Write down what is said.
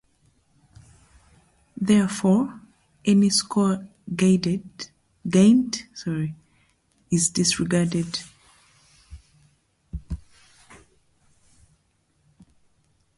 Therefore, any score gained is disregarded.